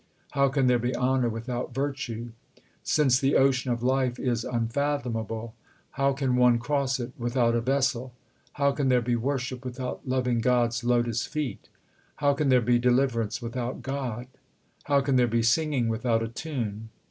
How can there be honour without virtue ? Since the ocean of life is unfathomable, how can one cross it without a vessel ? How can there be worship without loving God s lotus feet ? How can there be deliverance without God ? How can there be singing without a tune